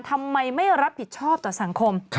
ทำไมไม่รับผิดชอบต่อสังคม